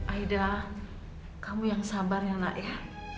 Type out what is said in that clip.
aida kamu yang sabar ya nak ya